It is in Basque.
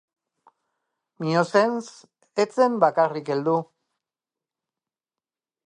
Miossens ez zen bakarrik heldu.